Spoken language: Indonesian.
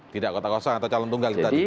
tidak kota kosong atau calon tunggal tadi